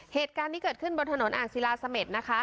เหตุการณ์นี้เกิดขึ้นบนถนนอ่างศิลาเสม็ดนะคะ